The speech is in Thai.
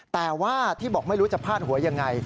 แต่ว่าที่บอกไม่รู้จะพาดหัวยังไง